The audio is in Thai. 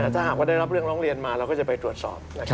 ถ้าหากว่าได้รับเรื่องร้องเรียนมาเราก็จะไปตรวจสอบ